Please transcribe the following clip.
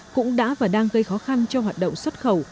cũng đã và đang gây khó khăn cho hoạt động xuất khẩu